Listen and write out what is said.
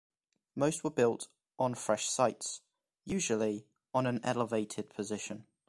Most were built on fresh sites, usually on an elevated position.